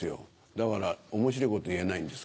だから面白いこと言えないんです